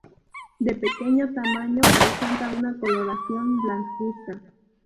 De pequeño tamaño, presenta una coloración blancuzca.